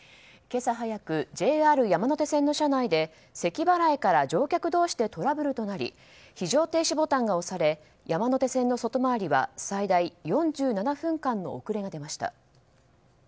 今朝早くＪＲ山手線の車内でせき払いから乗客同士でトラブルとなり非常停止ボタンが押され山手線の外回りは最大４７分間の遅れが出ました。